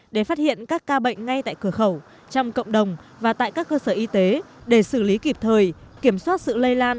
để phát hiện các ca bệnh ngay tại cửa khẩu trong cộng đồng và tại các cơ sở y tế để xử lý kịp thời kiểm soát sự lây lan